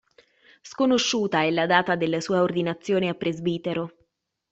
Sconosciuta è la data della sua ordinazione a presbitero.